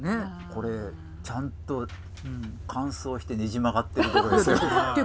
これちゃんと乾燥してねじ曲がってるとこですよね。